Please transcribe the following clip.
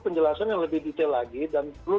penjelasan yang lebih detail lagi dan perlu